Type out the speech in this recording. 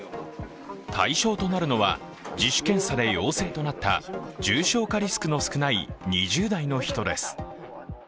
対象となるのは自主検査で陽性となった重症化リスクの少ない２０代の人です。